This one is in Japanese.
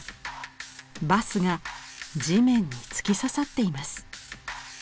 バスが地面に突き刺さっています。